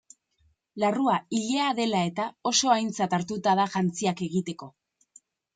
Larrua, ilea dela eta, oso aintzat hartua da jantziak egiteko.